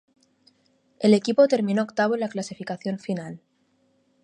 El equipo terminó octavo en la clasificación final.